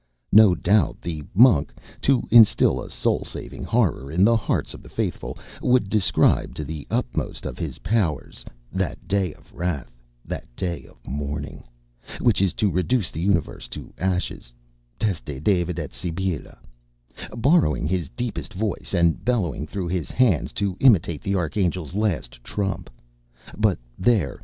No doubt the Monk, to instil a soul saving horror in the hearts of the faithful, would describe to the utmost of his powers "that day of wrath, that day of mourning," which is to reduce the universe to ashes, teste David et Sibylla, borrowing his deepest voice and bellowing through his hands to imitate the Archangel's last trump. But there!